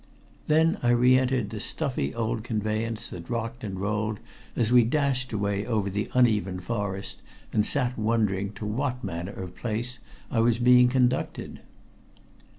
Then I re entered the stuffy old conveyance that rocked and rolled as we dashed away over the uneven forest road, and sat wondering to what manner of place I was being conducted.